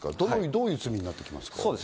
どういう罪になりますか？